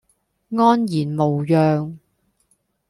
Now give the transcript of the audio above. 安然無恙